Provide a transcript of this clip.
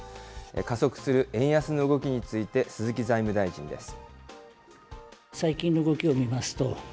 加速する円安の動きについて、鈴木財務大臣です。